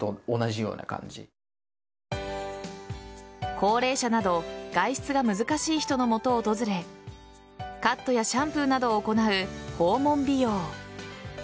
高齢者など外出が難しい人のもとを訪れカットやシャンプーなどを行う訪問美容。